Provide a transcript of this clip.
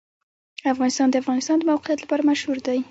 افغانستان د د افغانستان د موقعیت لپاره مشهور دی.